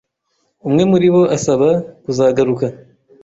Umwe muri bo asaba kuzagaruka